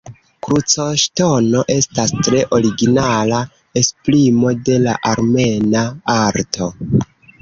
Krucoŝtono estas tre originala esprimo de la armena arto.